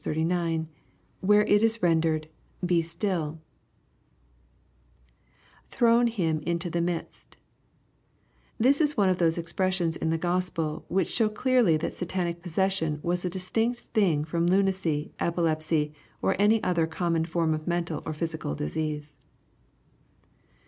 39,) where it is rendered " Be stilL" [Thrown him into {he midst] This is one of those expressions in the Gospels, which show clearly that satanic possession was a distinct thing from lunacy, epilepsy, or any other common form of mental or physical disease.